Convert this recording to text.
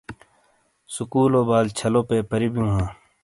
سکولو بال چھالو پیپر ی بیو ہاں۔